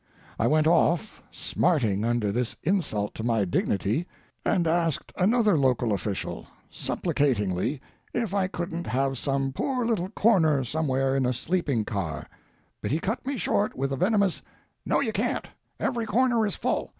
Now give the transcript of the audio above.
I went off, smarting under this insult to my dignity, and asked another local official, supplicatingly, if I couldn't have some poor little corner somewhere in a sleeping car; but he cut me short with a venomous "No, you can't; every corner is full.